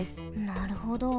なるほど。